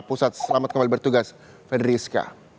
pusat selamat kembali bertugas fedris k